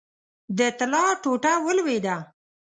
د طلا ټوټه ولوېده.